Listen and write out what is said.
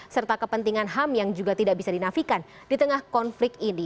serta kepentingan ham yang juga tidak bisa dinafikan di tengah konflik ini